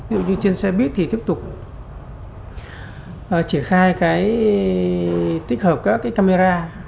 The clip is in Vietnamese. ví dụ như trên xe buýt thì tiếp tục triển khai cái tích hợp các cái camera